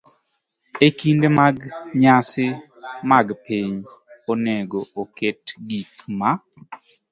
E kinde mag nyasi mag piny, onego oket gik ma